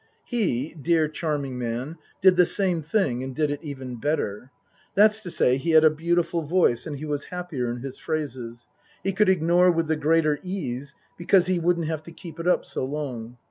He, dear, charming man, did the same thing, and did it even better. That's to say, he had a beautiful voice and he was happier in his phrases. He could ignore with the greater ease because he wouldn't have to keep it up so long.